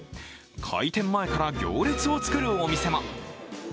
開店前から行列を作るお店も。